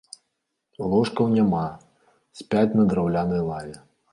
Ложкаў няма, спяць на драўлянай лаве.